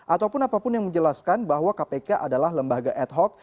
ataupun apapun yang menjelaskan bahwa kpk adalah lembaga ad hoc